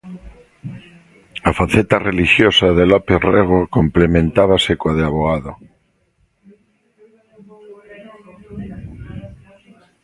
A faceta relixiosa de López Rego complementábase coa de avogado.